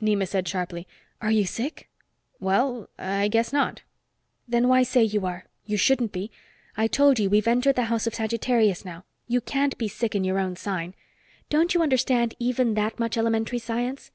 Nema said sharply, "Are you sick?" "Well I guess not." "Then why say you are? You shouldn't be; I told you we've entered the House of Sagittarius now. You can't be sick in your own sign. Don't you understand even that much elementary science?"